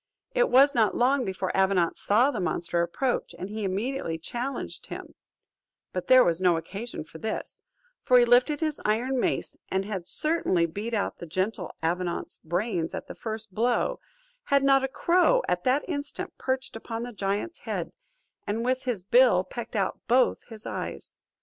It was not long before Avenant saw the monster approach, and he immediately challenged him; but there was no occasion for this, for he lifted his iron mace, and had certainly beat out the gentle Avenant's brains at the first blow, had not a crow at that instant perched upon the giant's head, and with his bill pecked out both his eyes.